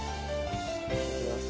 いただきます。